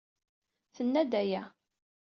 Tenna-d aya.